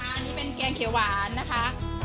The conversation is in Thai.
อันนี้เป็นแกงเขียวหวานนะคะ